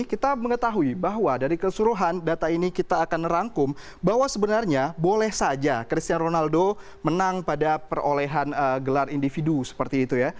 kita mengetahui bahwa dari keseluruhan data ini kita akan merangkum bahwa sebenarnya boleh saja cristiano ronaldo menang pada perolehan gelar individu seperti itu ya